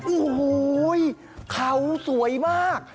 โอ้โหเขาสวยมาก